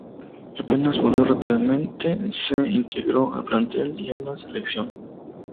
Apenas volvió rápidamente se integró al plantel y a la selección.